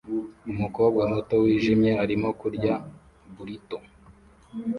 Umukobwa muto wijimye arimo kurya burrito